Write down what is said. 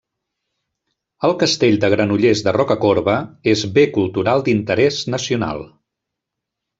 El Castell de Granollers de Rocacorba és Bé Cultural d'Interés Nacional.